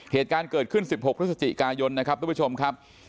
เหตุการณ์เกิดขึ้น๑๖พฤศจิกายนนะครับทุกผู้ชมครับ